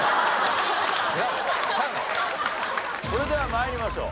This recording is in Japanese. それでは参りましょう。